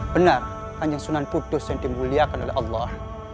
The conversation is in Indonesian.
benar hanya sunan putus yang dimuliakan oleh allah